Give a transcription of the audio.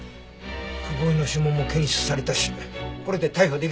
久保井の指紋も検出されたしこれで逮捕できるね。